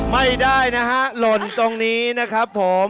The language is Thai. ไม่ได้นะฮะหล่นตรงนี้นะครับผม